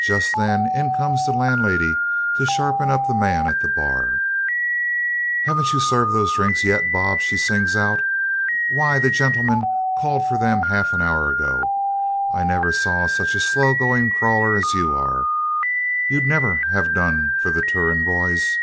Just then in comes the landlady to sharpen up the man at the bar. 'Haven't you served those drinks yet, Bob?' she sings out. 'Why, the gentlemen called for them half an hour ago. I never saw such a slow going crawler as you are. You'd never have done for the Turon boys.'